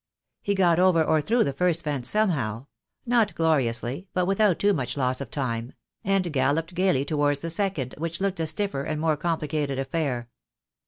He got over or through the first fence somehow; not gloriously, but without too much loss of time; and gal loped gaily towards the second, which looked a stiffer and more complicated affair.